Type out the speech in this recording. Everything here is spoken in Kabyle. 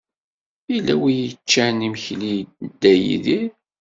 Yella wi yeččan imekli d Dda Yidir?